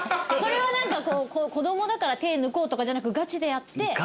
それは何か子供だから手抜こうとかじゃなくガチでやって？